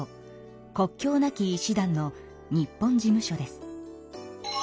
国境なき医師団の日本事務所です。